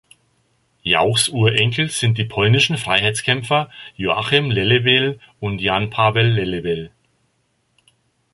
Jauchs Urenkel sind die polnischen Freiheitskämpfer Joachim Lelewel und Jan Pawel Lelewel.